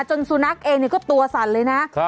จนซูนักเองก็ตัวสั่นเลยนะ